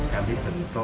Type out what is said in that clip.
kami tentu pada waktu itu